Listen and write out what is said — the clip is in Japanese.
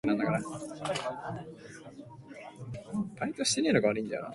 想おもい出で巡めぐらせ